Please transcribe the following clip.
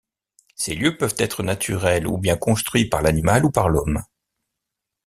Ces lieux peuvent être naturels ou bien construits par l'animal ou par l'homme.